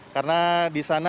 karena di sana